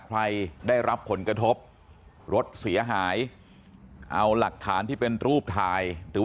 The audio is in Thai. ใครได้รับผลกระทบรถเสียหายเอาหลักฐานที่เป็นรูปถ่ายหรือว่า